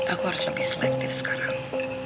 aku harus lebih selektif sekarang